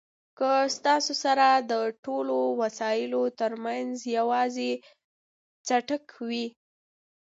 که ستاسو سره د ټولو وسایلو ترمنځ یوازې څټک وي.